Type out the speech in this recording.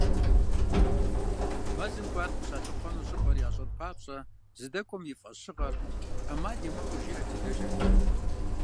Мэзым кӏуар къыщалъыхъуэну щӏыпӏэр ящӏэн папщӏэ, здэкӏуэм и фӏэщыгъэр, ӏэмал имыӏэу, жаӏэрти дэкӏырт.